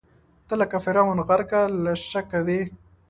ته لکه فرعون، غرقه له شکه وې